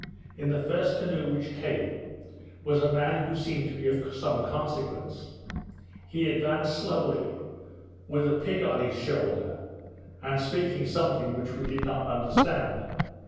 In the first canoe which came, was a man who seemed to be of some consequence; he advanced slowly, with a pig on his shoulder, and speaking something which we did not understand.